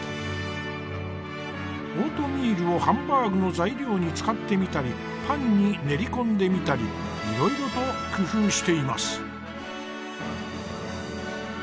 オートミールをハンバーグの材料に使ってみたりパンに練り込んでみたりいろいろと工夫しています。